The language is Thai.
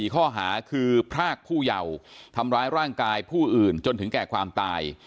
ข้อหาคือพรากผู้เยาว์ทำร้ายร่างกายผู้อื่นจนถึงแก่ความตาย